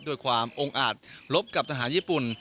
ด้วยความองอาดรบกับทหารญี่ปุ่น